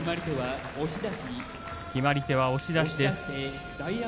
決まり手、押し出しです。